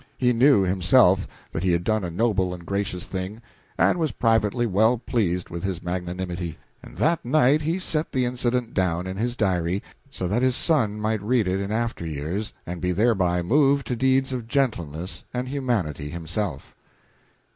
He knew, himself, that he had done a noble and gracious thing, and was privately well pleased with his magnanimity; and that night he set the incident down in his diary, so that his son might read it in after years, and be thereby moved to deeds of gentleness and humanity himself.